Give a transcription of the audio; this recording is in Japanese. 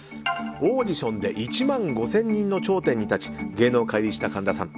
オーディションで１万５０００人の頂点に立ち芸能界入りした神田さん。